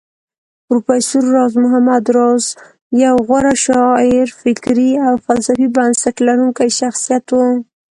پروفېسر راز محمد راز يو غوره شاعر فکري او فلسفي بنسټ لرونکی شخصيت و